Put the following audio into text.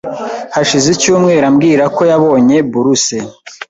Hashize icyumweru ambwira ko yabonye buruse